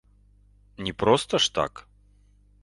Не проста ж так.